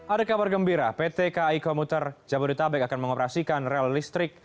ada kabar gembira pt kai komuter jabodetabek akan mengoperasikan rel listrik